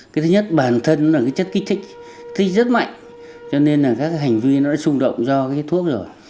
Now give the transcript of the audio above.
cái thứ nhất bản thân nó là cái chất kích thích kích thích rất mạnh cho nên là các hành vi nó đã xung động do cái thuốc rồi